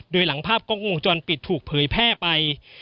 โดยหลังภาพกล้องวงจรปิดถูกเผยแพร่ไป